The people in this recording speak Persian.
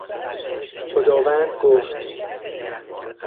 خداوند گفت